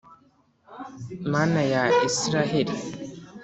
Mana ya Israheli,